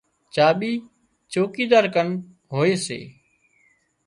چاٻي چوڪيدار ڪن هوئي سي